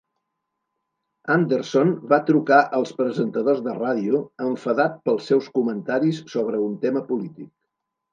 Anderson va trucar els presentadors de ràdio, enfadat pels seus comentaris sobre un tema polític.